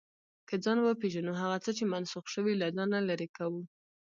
که ځان وپېژنو، هغه څه چې منسوخ شوي، له ځانه لرې کوو.